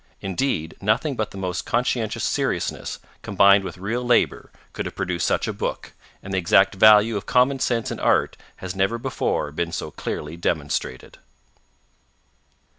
Indeed, nothing but the most conscientious seriousness, combined with real labour, could have produced such a book, and the exact value of common sense in art has never before been so clearly demonstrated.